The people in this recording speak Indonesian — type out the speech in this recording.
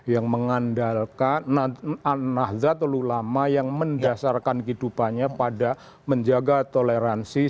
yang mengandalkan nahdlatul ulama yang mendasarkan kehidupannya pada menjaga toleransi